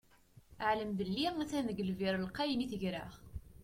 Ɛlem belli a-t-an deg lbir lqayen i tegreɣ.